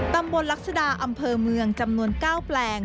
ตำบลลักษดาอำเภอเมืองจำนวน๙แปลง